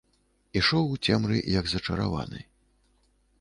Ішоў у цемры, як зачараваны.